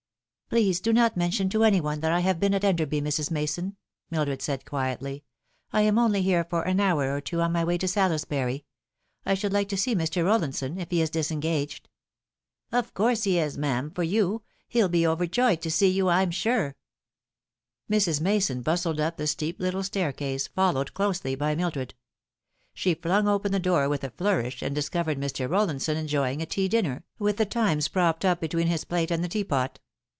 "Please do not mention to any one that I have been at Enderby, Mrs. Mason," Mildred said quietly. " I am only here for an hour or two on my way to Salisbury. I should like to see Mr. Rollinson, if he is disengaged." " Of course he is, ma'am, for you. Hell be overjoyed to see you, I'm sure. " Mrs. Mason bustled up the steep little staircase, followed closely by Mildred. She flung open the door with a flourish, and discovered Mr. Rolliuson enjoying a tea dinner, with the Times propped up between his plate and the tea pot.